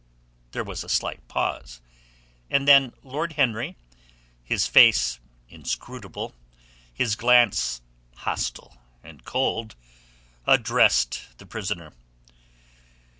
There was a slight pause, and then Lord Henry, his face inscrutable, his glance hostile and cold, addressed the prisoner.